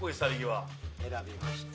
選びました。